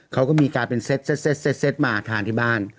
เขาก็มีการเป็นเซ็ตมาทานที่บ้าน